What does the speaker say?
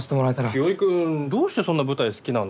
清居君どうしてそんな舞台好きなの？